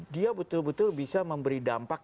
dia betul betul bisa memberi dampak